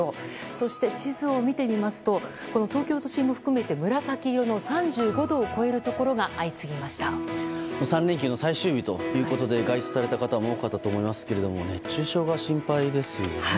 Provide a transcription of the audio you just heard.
そして地図を見てみますと東京都心も含めて紫色の３５度を超えるところが３連休の最終日ということで外出された方も多かったと思いますが熱中症が心配ですね。